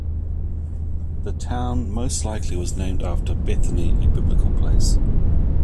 The town most likely was named after Bethany, a biblical place.